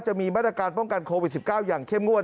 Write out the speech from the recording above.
จะมีมาตรการป้องกันโควิด๑๙อย่างเข้มงวด